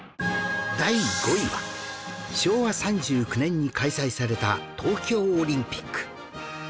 第５位は昭和３９年に開催された東京オリンピック